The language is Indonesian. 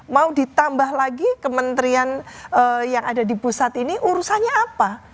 mau ditambah lagi kementerian yang ada di pusat ini urusannya apa